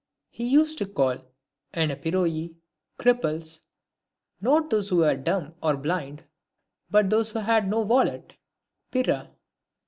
He used to call di/ccTTjoo/ (cripples), not those who were dumb and blind, but those who had no wallet (^a).